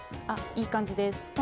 あっいい感じです。